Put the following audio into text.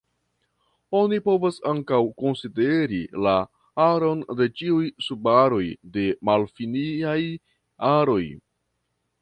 Oni povas ankaŭ konsideri la aron de ĉiuj subaroj de malfiniaj aroj.